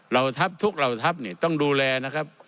เราทัพทุกเราทัพต้องดูแลนะครับ